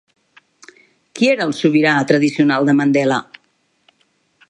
Qui era el sobirà tradicional de Mandela?